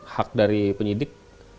hak dari penyidik